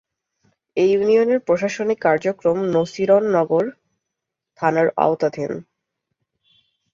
এ ইউনিয়নের প্রশাসনিক কার্যক্রম নাসিরনগর থানার আওতাধীন।